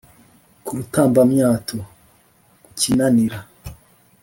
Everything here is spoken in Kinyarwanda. ku rutambamyato: ku kinanira